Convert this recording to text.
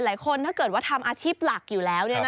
อ๋อหลายคนถ้าเกิดว่าทำอาชีพหลักอยู่แล้ว